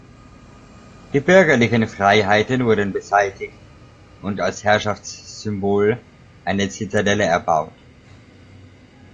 Die bürgerlichen Freiheiten wurden beseitigt und als Herrschaftssymbol eine Zitadelle erbaut.